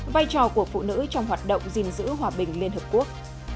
vai trò của phụ nữ trong hoạt động gìn giữ hòa bình liên hợp quốc